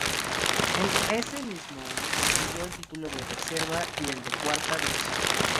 En ese mismo año consiguió el título de reserva y el de Cuarta División.